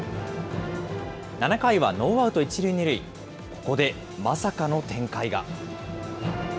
７回はノーアウト１塁２塁、ここでまさかの展開が。